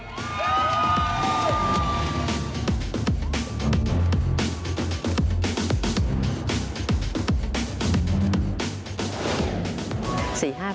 สวัสดีครับ